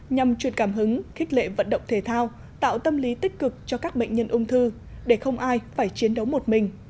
nhằm truyền cảm hứng khích lệ vận động thể thao tạo tâm lý tích cực cho các bệnh nhân ung thư để không ai phải chiến đấu một mình